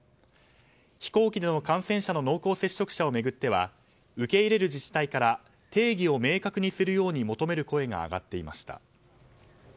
飛行機での感染者の濃厚接触者を巡っては受け入れる自治体から定義を明確にするよう求める声が上がっていました。